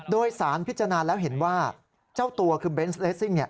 โดยสารพิจารณาแล้วเห็นว่าเจ้าตัวคือเบนส์เลสซิ่ง